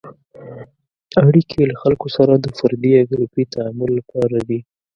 اړیکې له خلکو سره د فردي یا ګروپي تعامل لپاره دي.